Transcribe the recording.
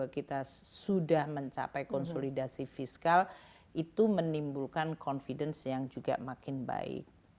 kita sudah mencapai konsolidasi fiskal itu menimbulkan confidence yang juga makin baik